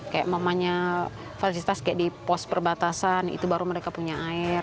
kayak mamanya fasilitas kayak di pos perbatasan itu baru mereka punya air